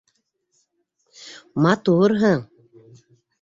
- Матурһың!